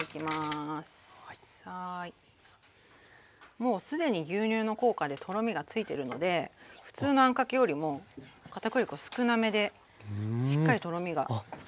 もう既に牛乳の効果でとろみがついてるので普通のあんかけよりも片栗粉少なめでしっかりとろみがつくんですよ。